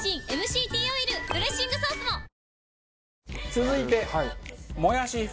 続いて。